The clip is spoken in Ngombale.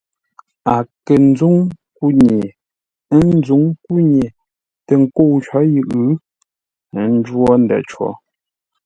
A kə̂ nzúŋ kúnye, ə́ nzǔŋ kúnye tə nkə́u có yʉʼ, ə́ njwó ndə̂ cǒ.